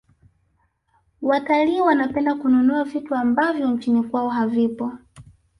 watalii wanapenda kununua vitu ambavyo nchini kwao havipo